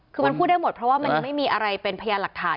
คือมันพูดได้หมดเพราะว่ามันยังไม่มีอะไรเป็นพยานหลักฐาน